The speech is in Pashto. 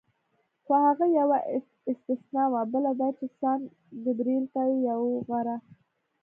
خو هغه یوه استثنا وه، بله دا چې سان ګبرېل تر یو غره.